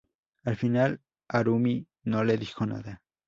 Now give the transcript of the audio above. Al final Harumi no le dijo nada.